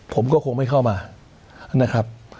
ผมก็คงไม่เข้ามานะครับ